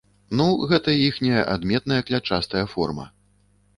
Ну, гэтая іхняя адметная клятчастая форма.